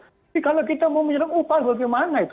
tapi kalau kita mau minum upah bagaimana itu